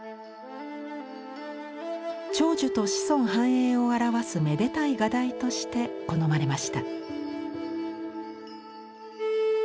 長寿と子孫繁栄を表すめでたい画題として好まれました。